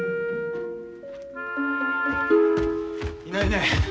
いないね。